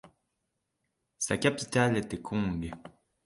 Sa capitale était Kong.